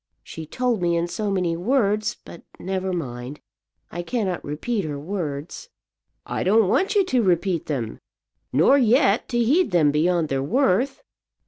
She told me in so many words ; but never mind, I cannot repeat her words." "I don't want you to repeat them; nor yet to heed them beyond their worth.